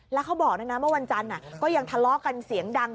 แล้วเขาบอกด้วยนะเมื่อวันจันทร์ก็ยังทะเลาะกันเสียงดัง